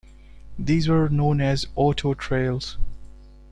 These were known as "auto trails".